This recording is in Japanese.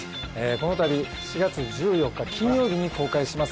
このたび４月１４日金曜日に公開します